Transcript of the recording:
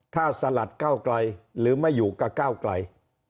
ถ้าสลัดก้าวไกลหรือไม่อยู่กับก้าวไกล